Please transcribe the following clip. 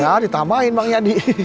ya ditamain bang yadi